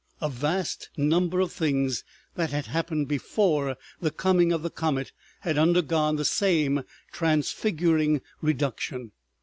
A vast number of things that had happened before the coming of the comet had undergone the same transfiguring reduction.